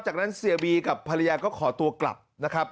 จากนั้นเสียบีกับภรรยาก็ขอตัวกลับนะครับ